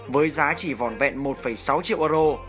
với giá chỉ vòn vẹn một sáu triệu euro